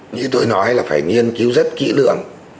như tôi nói là phải nghiên cứu rất kỹ lưỡng